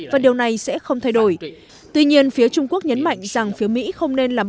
và điều này sẽ không thay đổi tuy nhiên phía trung quốc nhấn mạnh rằng phía mỹ không nên làm